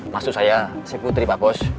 maksud saya si putri pak bos